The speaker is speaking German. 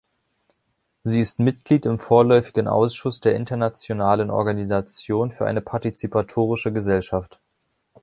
Sie ist Mitglied im vorläufigen Ausschuss der Internationalen Organisation für eine Partizipatorische Gesellschaft.